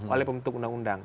oleh pembentuk undang undang